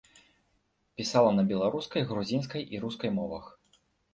Пісала на беларускай, грузінскай і рускай мовах.